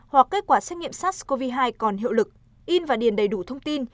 hoặc kết quả xét nghiệm sars cov hai còn hiệu lực in và điền đầy đủ thông tin